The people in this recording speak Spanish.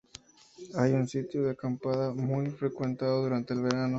Hay un sitio de acampada muy frecuentado durante el verano.